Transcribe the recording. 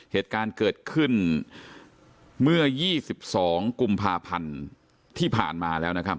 เหตุการณ์เกิดขึ้นเมื่อ๒๒กุมภาพันธ์ที่ผ่านมาแล้วนะครับ